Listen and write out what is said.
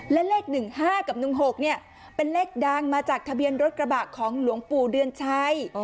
และเลข๑๕กับ๑๖เป็นเลขดังมาจากทะเบียนรถกระบะของหลวงปู่เดือนชัย